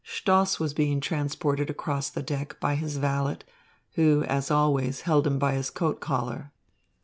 Stoss was being transported across the deck by his valet, who, as always, held him by his coat collar.